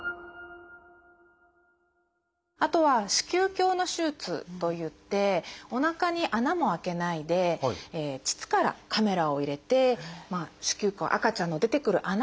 あとは子宮鏡の手術といっておなかに穴も開けないで膣からカメラを入れて子宮口赤ちゃんの出てくる穴からですね